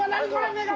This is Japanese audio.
目が！